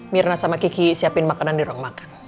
mirna sama kiki siapin makanan di ruang makan